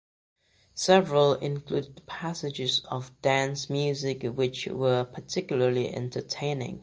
Several included passages of dance music which were particularly entertaining.